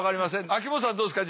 秋元さんどうですか？